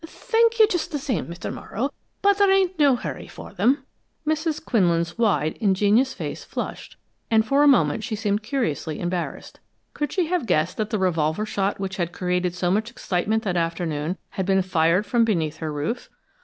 Thank you just the same, Mr. Morrow, but there ain't no hurry for them." Mrs. Quinlan's wide, ingenuous face flushed, and for a moment she seemed curiously embarrassed. Could she have guessed that the revolver shot which had created so much excitement that afternoon had been fired from beneath her roof?